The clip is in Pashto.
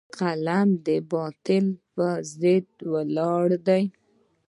قلم د باطل پر ضد ولاړ دی